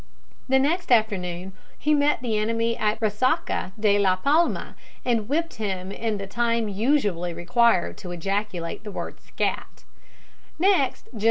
The next afternoon he met the enemy at Resaca de la Palma, and whipped him in the time usually required to ejaculate the word "scat!"